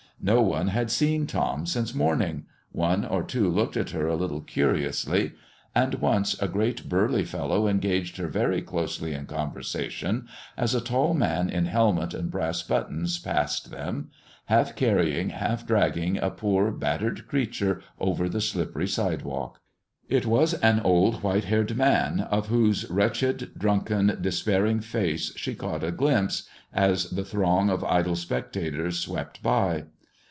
No one had seen Tom since morning, one or two looked at her a little curiously, and once a great burly fellow engaged her very closely in conversation as a tall man in helmet and brass buttons passed them, half carrying, half dragging a poor, battered creature over the slippery sidewalk. It was an old, white haired man of whose wretched, drunken, despairing face she caught a glimpse, as the throng of idle spectators swept by.